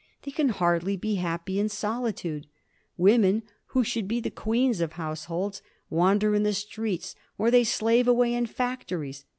They can hardly be happy in solitude. Women, who should be the queens of households, wander in the streets, or they slave away in factories.